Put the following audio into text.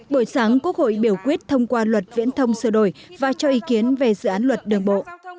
buổi sáng quốc hội biểu quyết thông qua luật viễn thông sửa đổi và cho ý kiến về dự án luật đường bộ